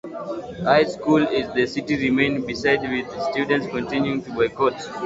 High schools in the city remained besieged with students continuing to boycott.